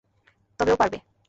তবে ও পারবে!